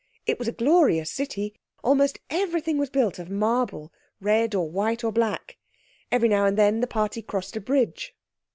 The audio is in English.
It was a glorious city; almost everything was built of marble, red, or white, or black. Every now and then the party crossed a bridge.